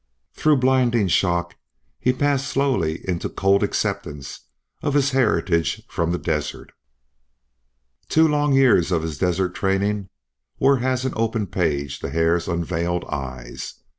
Through blinding shock he passed slowly into cold acceptance of his heritage from the desert. The two long years of his desert training were as an open page to Hare's unveiled eyes.